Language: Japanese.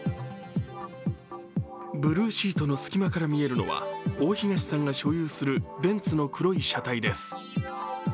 ブルーシートの隙間から見えるのは大東さんが所有するベンツの黒い車体です。